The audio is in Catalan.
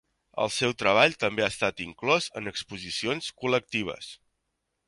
El seu treball també ha estat inclòs en exposicions col·lectives.